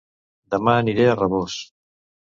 Dema aniré a Rabós